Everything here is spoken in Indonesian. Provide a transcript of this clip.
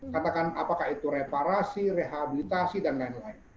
katakan apakah itu reparasi rehabilitasi dan lain lain